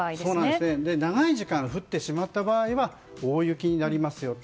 長い時間、降ってしまった場合は大雪になりますよと。